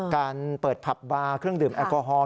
การเปิดผับบาร์เครื่องดื่มแอลกอฮอล